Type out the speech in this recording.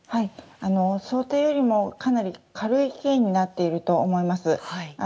想定よりもかなり軽い刑になっていると思います。